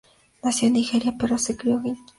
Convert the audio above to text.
Nació en Nigeria pero se crio en Hackney, Londres.